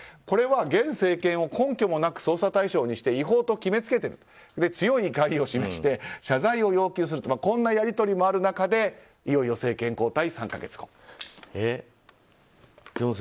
これは現政権を根拠もなく捜査対象にして違法と決めつけていると強い怒りを示して謝罪を要求するというやり取りもある中でいよいよ政権交代３か月後。